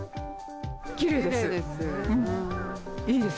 きれいです。